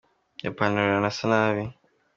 Iyo pantaro irasanabi.